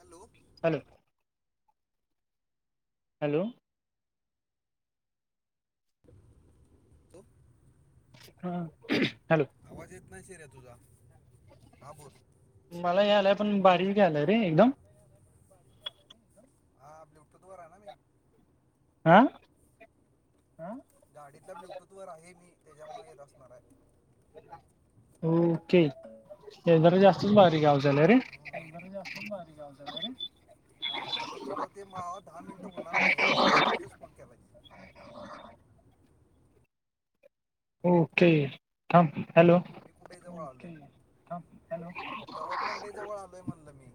Hello. Hello. Hello. तो हां hello. आवाज येत नाही सीऱ्या आहे तुझा हा बोल. मला यालाय पण बारीक आलाय रे एकदम. हा ब्ल्यूटूथवर आहे ना मी. हां. गाडीतल्या ब्लुटूथ वर आहे मी त्याच्यामुळे येत असणार आहे. ओके ते जरा जास्तच बारीक आवाज यायला रे. हां हे जरा जास्तच बारीक आवाज यायला रे. आता तुझं ते मा दहा मिनिटं होणार नाही आहे तु ऊगीचच फोन केलाय. ओके थांब हॅलो. ओके. थांब हॅलो गावात मंडई जवळ आलोय म्हणलं मी.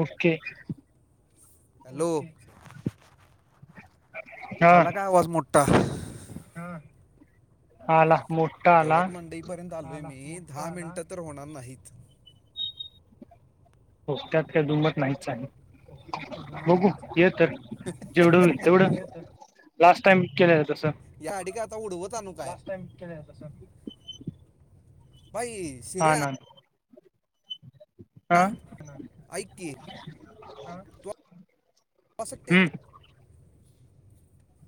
ओके. हॅलो हा आला काय आवाज मो ठा हा. आला मोठा आला. गवत मंडई पर्यंत आलोय मी दहा मिनिटं तर होणार नाहीत. हो त्यात काय दुंबत नाहीच आहे. त्यात काय दुमत बघू नाही ये तर जेवढं होईल तेवढं. बघू येतो लास्ट टाईम केलेला तसं. गाडी काय आता उडवत आणू काय बाई. हा शिर्या ना. हा आं ऐक की तू असं हम्म [inaudible]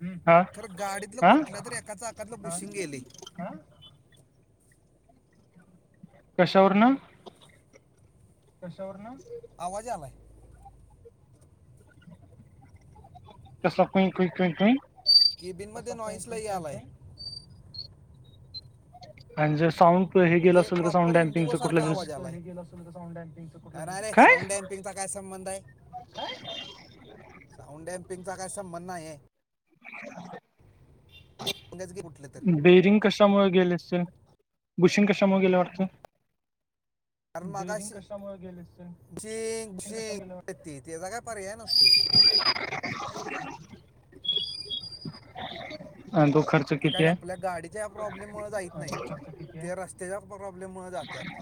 हम्म हा खरं गाडीतलं हा कुठल्या तरी एका चाकातलं बुशींग गेलय कशावर ना आवाज यायलाय तसा कु कुंइग कुइंग कुइंग कुइंग. केबिन मध्ये नॉईस लई आलाय. म्हणजे साऊंड हे गेलं म्हणजे असेल तर साऊंड प्रॉपर इंडिगो डॅम्पिंगचं सारखा कुठलं आवाज तरी आलाय, डायरेक्ट साऊंड एंड. [inaudible] काय सौंडमपिंक चा काय संबंध आहे, काय, साऊंडॅम पिंक चा काय संबंध नाही. [inaudible] पणच [unintelligible] कुठलं तर बेरिंग कशामुळे गेले असतील? बुशिंग कशामुळे गेलं वाटतं? कारण मगाशी झिंक झिंक त्याचा काय पर्याय नसतोय. अ तो खर्च ते किती काय आहे आपल्या गाडीच्या प्रॉब्लेम मुळे जाइत नाहीत. ते रस्त्याच्या प्रॉब्लेम मुळे जातात.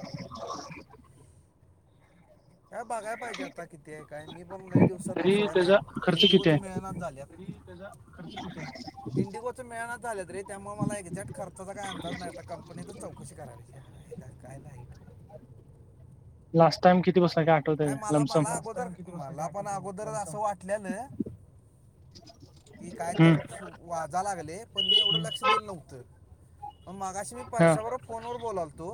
काय बघाय पाहिजे आता किती आहे काय, मी पण काही दिवसात तरी बसवाय नाही, त्याचा खर्च किती इंडिगोच आहे मिळना झाल्यात. तरी त्याचा खर्च किती हाय? इंडिगोचं मिळणाच झालंत रे त्यामुळे मला एक्झॅक्ट खर्चाचा काय अंदाज नाय, आता कंपनीतच चौकशी करा तज्या आल्या काय लाईट? लास्ट टाइम किती बसतय काय? आठवत आहे नाही का मला लमसम मला अगोदर मला पण अगोदरस असं वाटलेलं कि काय तर हम्म वाजा लागले पण मी एवढ लक्ष दिलं नव्हतं, मग मागाशी हा परश्याबरोबर फोनवर बोलालतो,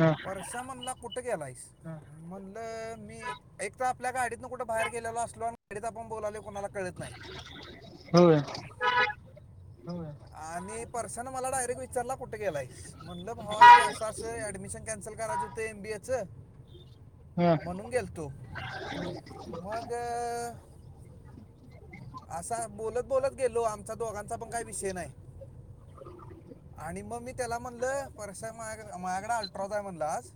हा परश्या म्हणला कुठ गेलायस. ह म्हणलं मी एक त आपल्या गाडीतनं कुठं बाहेर गेलेलो असलो गाडीत आपण बोलवले कोणाला कळत नाही. होय. होय, आणि परशानं मला डायरेक्ट विचार चलां कुठे गेलास? म्हणलं भावा ते असं असं ऍडमिशन क कॅन्सल करायचं ते एम बी ए चं हा म्हणून गेलतो. मग अं असा बोलत- बोलत गेलो आमचा दोघांचा मग काय विषय नाही. आणि मग मी त्याला म्हणलं, परशा माझकडं अल्ट्राचं हाय म्हणलं आज.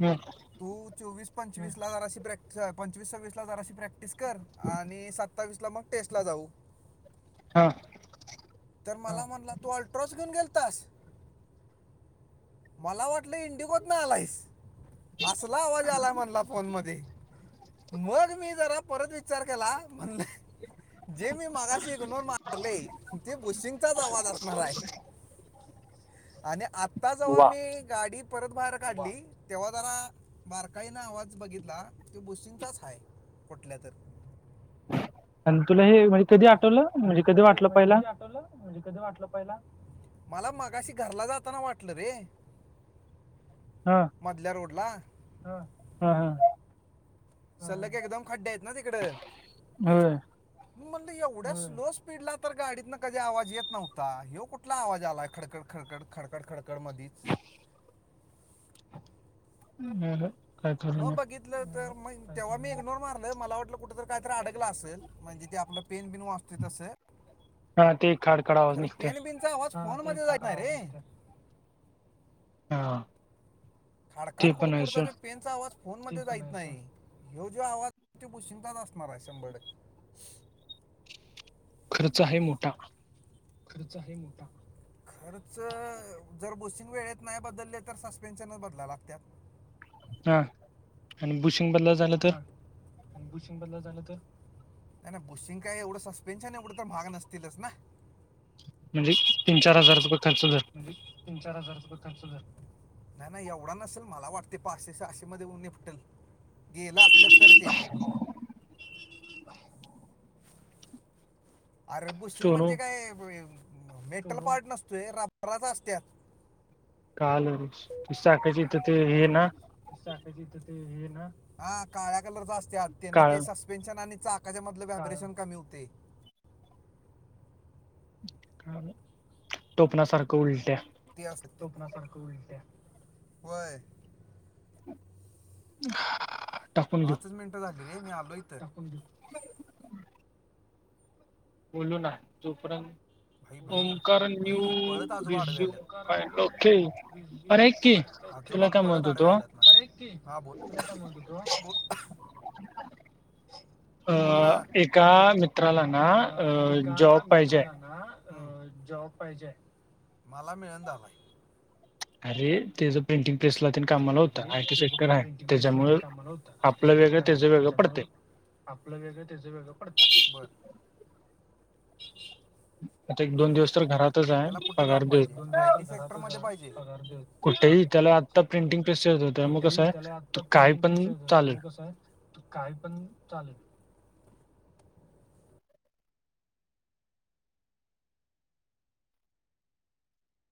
हम्म. तू चोवीस पंचवीस ला जराशी प्रॅक् पंचवीस सव्वीस ला जराशी प्रॅक्टिस कर आणि सात सत्तावीसला मग टेस्ट ला जाऊ. हा तर मला म्हणला, तू अल्ट्रोज घेऊन गेलतास? मला वाटलं इंडिगोत न आलायस. असला आवाज आला म्हणला फोन मध्ये, मग मी जरा परत विचार केला, म्हणलं जे मी मागशी इग्नोर मार ते बुशिंगचाच आवाज असणार आहे, आणि आ आता जव्हा वा मी गाडी परत बाहेर काढली, तेव्हा जरा बारकाईन आवाज बघितला, तो भुसींगचाच हाय. आणि तुला हे म्हणजे कधी आठवलं, म्हणजे कधी वाटलं पहिला? म्हजे कधी वाटलं पहिला, मला मगाशी घरला जाताना वाटलं रे. हा मधल्या रोडला, हं. हां हां. सल्लग एकदम खड्डे आहेत ना तिकडं. होय, म्हणलं एवढ्या स्लो स्पीडला तर गाडीतन कधी आवाज येत नव्हता, ह्यो कुठला आवाज यायलंय खडकड, खडकड. खडखड खडत कडकड मधीच. [unintelligible] मग नाही बघितलं तर मग तेव्हा मी इग्नोर मारल, मला वाटलं कुठ तर काहीतरी अडकलं असल म्हणजे ते आपला पेन-बिन वाजतंय तसं. हा ते खाडखड आवाज निघतोय. तुजा आवाज फोन मध्ये जाईत नाही रे. हा. ते खाडखाड, खुड पण आहे खुडचा सोड ते पेन चा आवाज फोनमध्ये जायत नाही, ह्यो जो आवाज तो बुशिंगंजाच असणार हाय शंभर टक्के. खर्च आहे मोठा? खर्च आहे मोठा? खर्च, जर बोसिंग वेळेत नाही बदलले तर सस्पेन्शनच बदलाय लागत्यात. हा, आणि बुशिंग बदलायचं हा, आणि बुशिंग बदलाय झालं तर? नाही, नाही बुशिंग काय एवढं सस्पेन्शन एवढं तर महाग नसतीलच ना. म्हणजे तीन- चार हजार रुपय खर्च धर हम, तीन -चार हजार रुपये खर्च धर. नाही, नाही एवढा नसेल, मला वाटतय पाचशे- सहाशे मध्ये निपटल. गेलं असल तर ते पण अरे बुशिंग सोनू म्हणजे काय, मेटल पार्ट नसतोय रबराच असत्यात. काल रे ते साकायची तिथं ते हे ना चकाच्या तिथं ते हे ना, ह काळ्या कलरच असत्यात त्यांन ते काळ सस्पे पेनशन, आणि चाकाच्या मधलं व्हायब्रेशन कमी होतय. टोपणासारखं उलट्या टोपणासारखं उलट्या, होय [unintelligible] पाचच मिनटं झाली रे, मी आलो इथं. [unintelligible] बोलू ना, जोपर्यंत भाई, भाई, ओमकार भाई न्यू पळत आजूबा आडवे रिझ्यूम आल्यांत फाईल ओके अरे ऐक की आजोबा तुला काय पळत म्हणत आडवे होतो आल्यात. अरे की, हा बोल, तुला का म्हणतं होतो. अ, बोल ना एका मित्राला ना, अ, जॉब एका पाहिजे हाय. मित्राला ना अं, जॉब पाहिजे हाय, मला मिळना झालाय. अरे, तेज प्रिंटिंग प्रेसला कामाला होता अरे आयटी त्याचं सेक्टर हाय प्रिंटिंग प्रेसला त्येजामुळ ते कामाला आय, टी, शेक्टर हाय तेज्यामुळ आपलं वेगळं, तेज वेगळं पडतय, बरं. आता एक, दोन दिवस तर घरात हाय, त्याला कुठं जॉब पगार देत, पाहिजे दोन आय दिवस तर टी सेक्टर घरातच मध्ये आहे, पाहिजे पगार देऊ कुठेही त्याला आता प्रिंटिंग प्रेसच्यात होत मग कसं कुठेही हाय, त्याला तो आता काय प्रिंटिंग पण प्रेस येत होतं चाललं. मग कसं आहे काय पण चालेल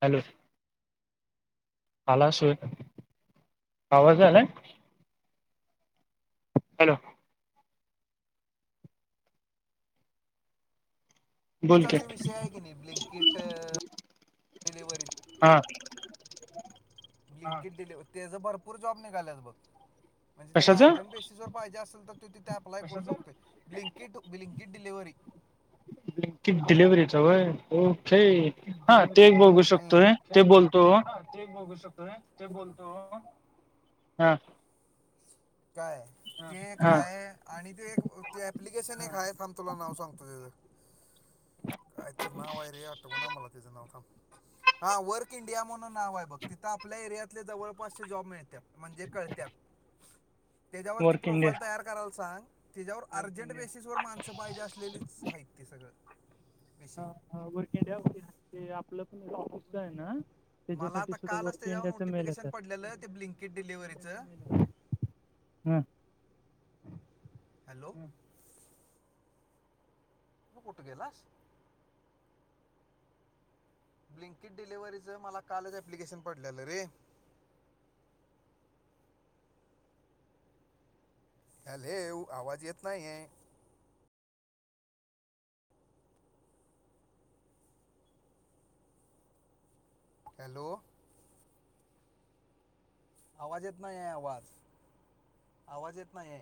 हॅलो आलास व्हय, आवाज यायलाय? हॅलो बोल चा की जो विषय आहे की नाही ब्लंकिट डिलिवरी हा. बिट दिले त्याच भरपूर जॉब निघालात, बघ म्हणजे त्याला कशाच अर्जंट बेससवर पाहिजे असेल तर बिलनकीट डलिव्हरी कि डिलिव्हरीच वय हो हे हा ते डिलिव्हरीचं वय बघू हम्म. शकतोय ते ओके बोलतो. हा ते बघू शकतो ते बोलतो हां. काय ते एक, हा हाय आणि ते एक ते अप्लिकेशन एक हय थांब, तुला नाव सांगतो त्याचं हो. का तरर नाव आहे रे आटोक, ना मला तिचं नाव का हा वर्क इंडिया म्हणून नाव आहे बघ तिथं, आपल्या एरियातले जवळपासचे जॉब मिळत्यात म्हणजे कळत्यात. [unintelligible] त्याच्यावरती वर्क इंडिया प्रोफाईल तयार, करायला सांग त्याच्यावर अर्जंट बेसिस वर माणसं पाहिजे असलेलीच आहेत, ते सगळं विष हा वर्क इंडिया ते आपलं पण [inaudible] आहे ना मला त्याच्यासाठी आता सुद्धा कालच वर्क त्याच्यावर इंडियाच मेल नोटिफिकेशन, येतात पडलेलं ते ब्लिंकेड डिलिव्हरीच हम्म हॅलो तू कुठ गेलास. ब्लिकिट डिव्हरीचं मला, कालच ॲप्लिकेशन पडलेलं रे अले येऊ आवाज येत नाही आहे. हॅलो. आवाज इतना आहे, आवाज आवाज इतना आहे.